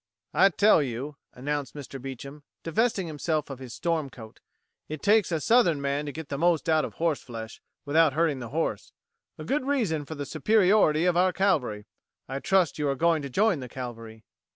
"I tell you," announced Mr. Beecham, divesting himself of his storm coat, "it takes a Southern man to get the most out of horse flesh, without hurting the horse. A good reason for the superiority of our cavalry! I trust you are going to join the cavalry."